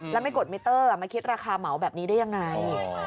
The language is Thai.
แล้วไม่กดมิเตอร์มาคิดราคาเหมาแบบนี้ได้ยังไง